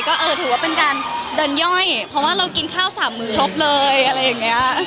ก็เออถือว่าเป็นการเดินย่อยเพราะว่าเรากินข้าวสามมือครบเลยอะไรอย่างเงี้ย